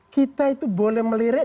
kita itu boleh melirik